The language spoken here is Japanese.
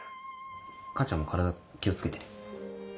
母ちゃんも体気を付けて。